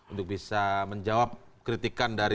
untuk bisa menjawab kritikan dari